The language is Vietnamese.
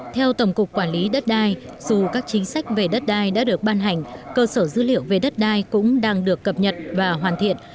theo tổng cục quản lý đất đai dù các chính sách về đất đai đã được ban hành cơ sở dữ liệu về đất đai cũng đang được cập nhật và hoàn thiện